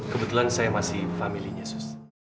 kebetulan saya masih family nya sus